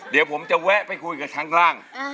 เดี๋ยวผมจะแวะไปคุยกับชั้นล่าง